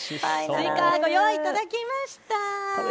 スイカ、ご用意いただきました。